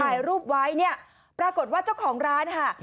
ถ่ายรูปไว้เนี่ยปรากฏว่าเจ้าของร้านค่ะ